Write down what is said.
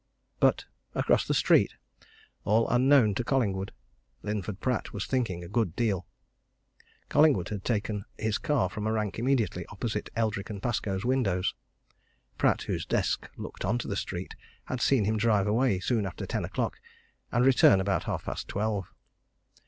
But across the street, all unknown to Collingwood, Linford Pratt was thinking a good deal. Collingwood had taken his car from a rank immediately opposite Eldrick & Pascoe's windows; Pratt, whose desk looked on to the street, had seen him drive away soon after ten o'clock and return about half past twelve.